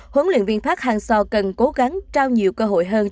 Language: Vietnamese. huấn luyện viên phát hàng so cần cố gắng trao nhiều cơ hội hơn